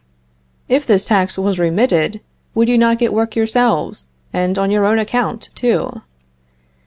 If this tax was remitted, would you not get work yourselves, and on your own account too?